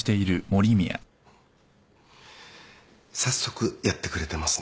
早速やってくれてますね。